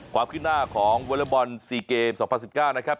ความขึ้นหน้าของวอเลอร์บอล๔เกม๒๐๑๙นะครับ